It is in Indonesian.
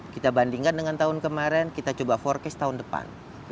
kita bandingkan dengan tahun kemarin kita coba forecast tahun depan